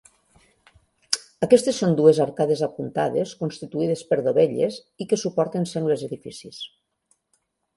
Aquestes són dues arcades apuntades, constituïdes per dovelles i que suporten sengles edificis.